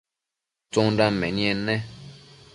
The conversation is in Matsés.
tsundan menied ne?